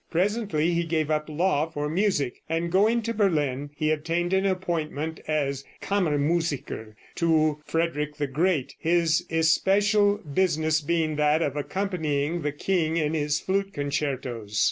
Presently he gave up law for music, and going to Berlin he obtained an appointment as "Kammer musiker" to Frederick the Great, his especial business being that of accompanying the king in his flute concertos.